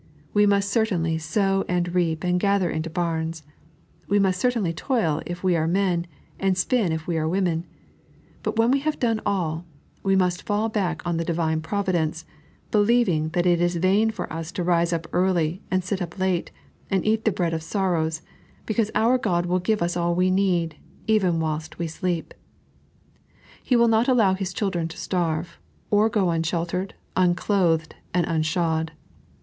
We must certainly sow and reap and gather into bams ; we must certainly toil if we are men, and spin if we are women ; but when we have done all, we must fall back on the Divine Providence, believing that it is vain for us to rise up early, and sit up late, and eat the bread of sorrows, because our God will give us all we need, even whilst we sleep. He will not allow His children to starve, or go unsheltered, unclothed, and unshod.